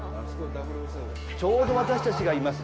ちょうど、私たちがいます